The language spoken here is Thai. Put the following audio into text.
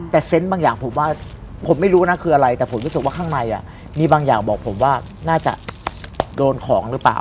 แต่เซนต์บางอย่างผมว่าผมไม่รู้นะคืออะไรแต่ผมรู้สึกว่าข้างในมีบางอย่างบอกผมว่าน่าจะโดนของหรือเปล่า